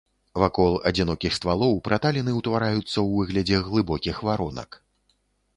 Вакол адзінокіх ствалоў праталіны ўтвараюцца ў выглядзе глыбокіх варонак.